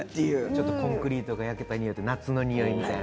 ちょっとコンクリートが焼けた匂い、夏の匂いみたいな？